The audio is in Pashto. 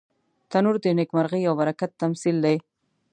تنور د نیکمرغۍ او برکت تمثیل دی